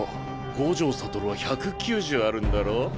五条悟は１９０あるんだろ？